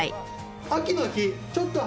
秋の日ちょっと晴れて。